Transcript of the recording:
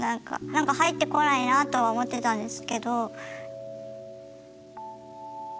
何か入って来ないなあとは思ってたんですけど。